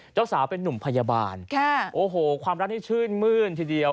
เจ้าสาวเป็นนุ่มพยาบาลค่ะโอ้โหความรักนี่ชื่นมื้นทีเดียว